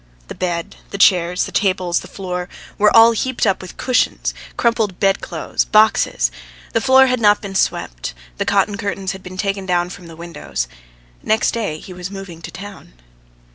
The bed, the chairs, the tables, the floor, were all heaped up with cushions, crumpled bed clothes, boxes. The floor had not been swept, the cotton curtains had been taken down from the windows. Next day he was moving, to town.